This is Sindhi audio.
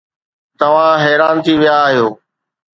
توهان حيران ٿي ويا آهيو.